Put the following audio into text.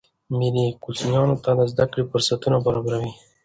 مېلې کوچنيانو ته د زدهکړي فرصتونه برابروي.